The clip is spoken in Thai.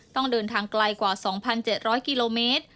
ต้องเดินทางไกลกว่า๒๗๐๐กิโลเมตร